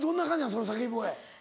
その叫び声。